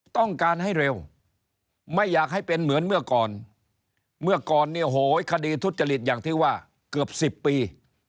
ต้องการให้เร็วไม่อยากให้เป็นเหมือนเมื่อก่อนเมื่อก่อนเนี่ยโหยคดีทุจริตอย่างที่ว่าเกือบ๑๐ปี